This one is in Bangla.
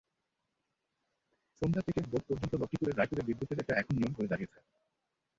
সন্ধ্যা থেকে ভোর পর্যন্ত লক্ষ্মীপুরের রায়পুরে বিদ্যুতের এটা এখন নিয়ম হয়ে দাঁড়িয়েছে।